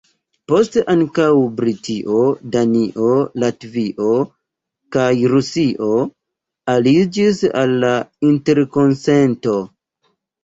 Poste ankaŭ Britio, Danio, Latvio kaj Rusio aliĝis al la interkonsento.